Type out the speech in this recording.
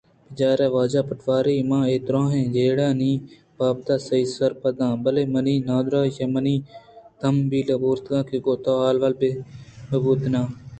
بچار واجہ پٹواری! من اے دُرٛاہیں جیڑہ ئے بابتءَ سہی ءُسرپد اں بلئے منی نادُرٛاہی ءَ منی تہمبل بُرتگ کہ گوں تو احوال بہ بوتیں اَت